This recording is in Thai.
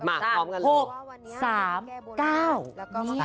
แล้วก็มี๖๓๙